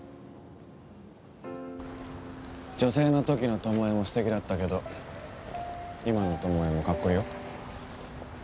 女性の時の巴も素敵だったけど今の巴もかっこいいよ。